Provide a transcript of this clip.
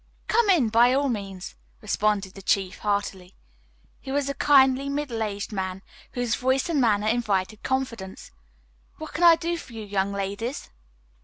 "Come in, by all means," responded the chief heartily. He was a kindly, middle age man, whose voice and manner invited confidence. "What can I do for you, young ladies?"